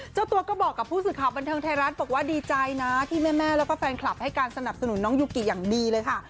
เจ้าตัวก็บอกกับผู้สื่อข่าวบันเทิงไทยรัฐบอกว่าดีใจนะที่แม่แล้วก็แฟนคลับให้การสนับสนุนน้องยูกิอย่างดีเลยค่ะ